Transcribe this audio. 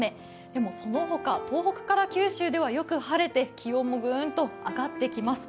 でもその他、東北から九州ではよく晴れて気温もグンと上がってきます。